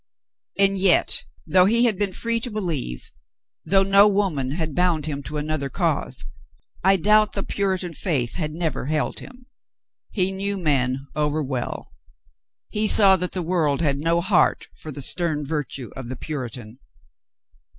And yet, though he had been free to believe, though no woman had bound him to another cause, I doubt the Puritan faith had never held him. He knew men over well. He saw that the world had no heart for the stern virtue of the Puritan.